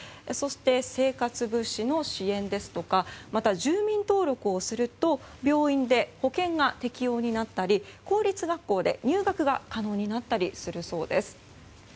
そして、生活物資の支援ですとかまた、住民登録をすると病院で保険が適用になったり公立学校で入学が可能になったりするそうです。